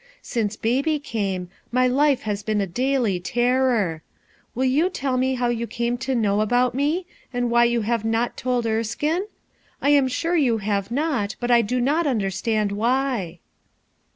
Since Baby came, my life has been a daily terror. Will you tell me how you came to know about me, and why you have not told Erskine? I am sure you have not, but I do not understand why.".